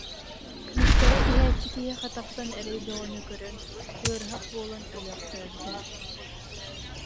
Кыыстара иһээччи киһиэхэ тахсан эрэй бөҕөнү көрөн, ыарыһах буолан өлөөхтөөбүтэ